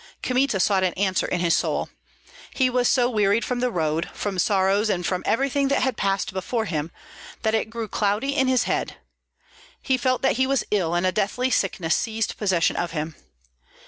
Kmita sought an answer in his soul. He was so wearied from the road, from sorrows, and from everything that had passed before him, that it grew cloudy in his head. He felt that he was ill and a deathly sickness seized possession of him.